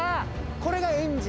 これがエンジン。